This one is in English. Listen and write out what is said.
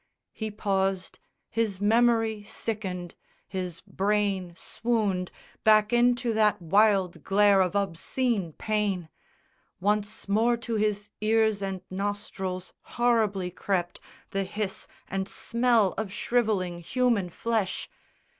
He paused; his memory sickened, his brain swooned Back into that wild glare of obscene pain! Once more to his ears and nostrils horribly crept The hiss and smell of shrivelling human flesh!